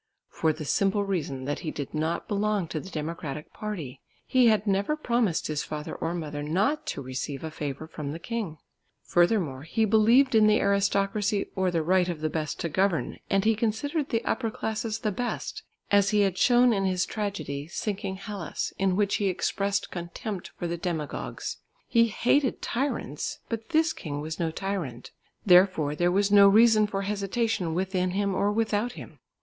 For the simple reason that he did not belong to the democratic party; he had never promised his father or mother not to receive a favour from the king. Furthermore he believed in the aristocracy or the right of the best to govern, and he considered the upper classes the best, as he had shown in his tragedy, Sinking Hellas, in which he expressed contempt for the demagogues. He hated tyrants, but this king was no tyrant. Therefore there was no reason for hesitation within him or without him.